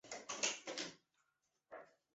向全谟是琉球国第二尚氏王朝时期的音乐家。